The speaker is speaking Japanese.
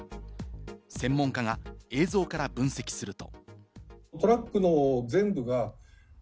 専門家が映像から分析すると。